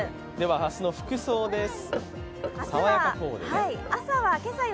明日の服装です。